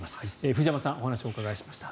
藤山さんにお話をお伺いしました。